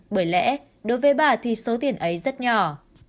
bởi lẽ đối với bà thì số tiền ấy rất nhỏ